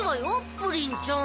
プリンちゃん。